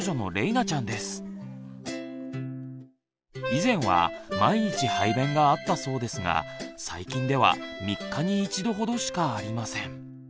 以前は毎日排便があったそうですが最近では３日に一度ほどしかありません。